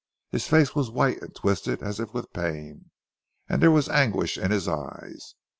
His face was white and twisted as if with pain, and there was anguish in his eyes.